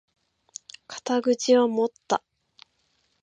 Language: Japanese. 肩口を持った！